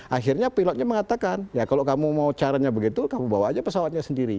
akhirnya pilotnya mengatakan ya kalau kamu mau caranya begitu kamu bawa aja pesawatnya sendiri